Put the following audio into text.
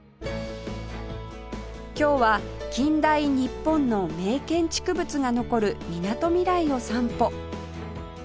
今日は近代日本の名建築物が残るみなとみらいを散歩